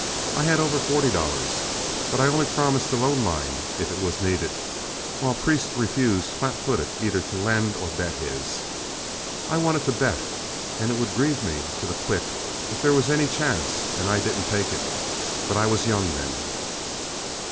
I had over forty dollars, but I only promised to loan mine if it was needed, while Priest refused flat footed either to lend or bet his. I wanted to bet, and it would grieve me to the quick if there was any chance and I didn't take it but I was young then.